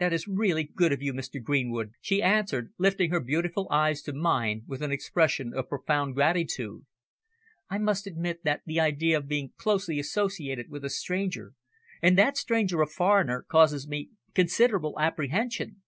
it is really very good of you, Mr. Greenwood," she answered, lifting her beautiful eyes to mine with an expression of profound gratitude. "I must admit that the idea of being closely associated with a stranger, and that stranger a foreigner, causes me considerable apprehension."